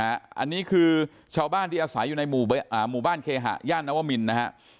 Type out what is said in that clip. อันนี้คือชาวบ้านที่อาศัยอยู่ในหมู่บ้านเคหะย่านนวมินนะฮะ